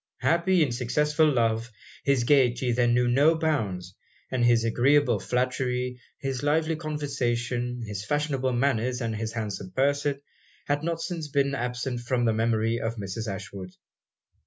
Happy in successful love, his gaiety then knew no bounds; and his agreeable flattery, his lively conversation, his fashionable manners, and his handsome person, had not since been absent from the memory of Mrs. Ashwood.